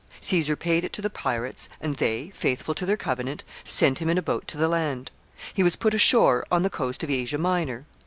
Caesar paid it to the pirates, and they, faithful to their covenant, sent him in a boat to the land. He was put ashore on the coast of Asia Minor.